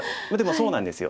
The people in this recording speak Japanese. そうなんですよ。